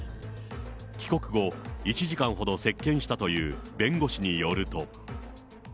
帰国後、１時間ほど接見したという弁護士によると。